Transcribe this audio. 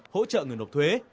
hỗ trợ người nộp thuế